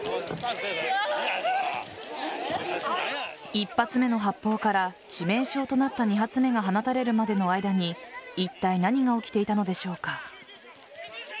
１発目の発砲から致命傷となった２発目が放たれるまでの間にいったい何が起きていたのでしょうか。